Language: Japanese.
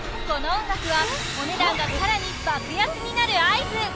この音楽はお値段がさらに爆安になる合図